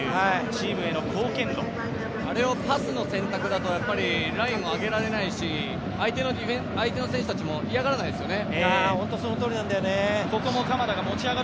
あれをパスの選択だとラインも上げられないし、相手の選手たちも嫌がらないですよね。